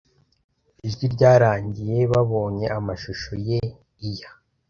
Ijwi ryarangiye babonye amashusho ye year